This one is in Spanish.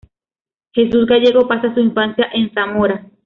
Jesús Gallego pasa su infancia en Zamora.